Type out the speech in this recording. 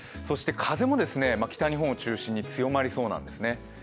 そして風も北日本を中心に強まりそうなんですね。